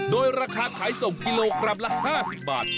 โดยราคาขายส่งกิโลกรัมละ๕๐บาท